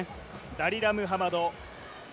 ダリラ・ムハマド